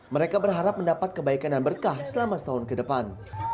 mereka berharap mendapat kebaikan dan berkah selama setahun ke depan